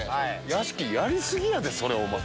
屋敷やり過ぎやでそれお前。